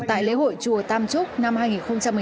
tại lễ hội chùa tam trúc năm hai nghìn một mươi chín